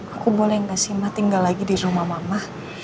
aku boleh nggak sih emak tinggal lagi di rumah mama